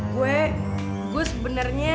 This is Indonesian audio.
gue gue sebenernya